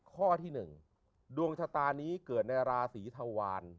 ข้อที่๑ดวงชะตานี้เกิดในราศีธวาร